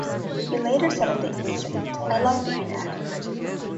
He later said of the incident: I love being an actor.